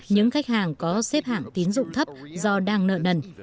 những khách hàng có xếp hạng tín dụng thấp do đang nợ nần